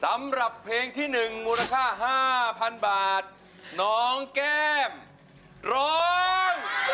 สำหรับเพลงที่๑มูลค่า๕๐๐๐บาทน้องแก้มร้อง